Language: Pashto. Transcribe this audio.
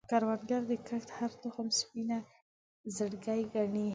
کروندګر د کښت هره تخم سپینه زړګی ګڼي